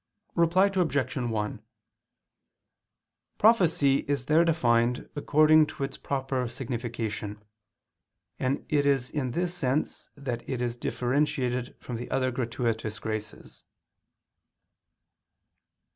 Reply Obj. 1: Prophecy is there defined according to its proper signification; and it is in this sense that it is differentiated from the other gratuitous graces.